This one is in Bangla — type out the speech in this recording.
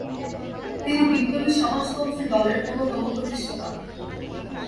তিনি বিপ্লবী সমাজতন্ত্রী দলের অন্যতম প্রতিষ্ঠাতা।